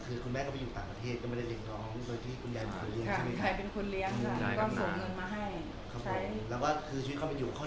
คุณแม่ก็ไปอยู่ต่างประเทศไม่ได้เด็กน้องโดยพี่ยายเป็นคนเลี้ยง